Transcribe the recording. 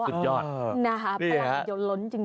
พลังโยร้นจริง